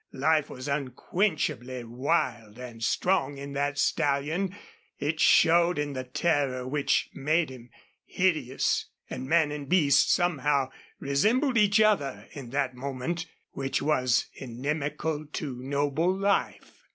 Life was unquenchably wild and strong in that stallion; it showed in the terror which made him hideous. And man and beast somehow resembled each other in that moment which was inimical to noble life.